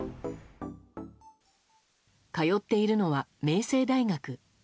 通っているのは明星大学。